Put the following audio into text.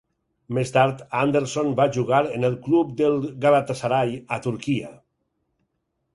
Més tard, Anderson va jugar amb el club del Galatasaray a Turquia.